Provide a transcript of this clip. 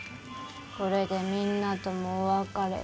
これでみんなともお別れ。